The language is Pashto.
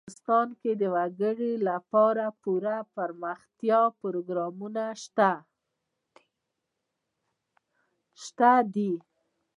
افغانستان کې د وګړي لپاره پوره دپرمختیا پروګرامونه شته دي.